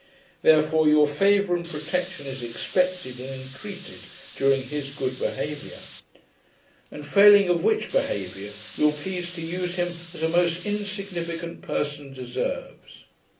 Therefore your favour and protection is expected and intreated, during his good behaviour; and failing of which behaviour, you'll please to use him as a most insignificant person deserves.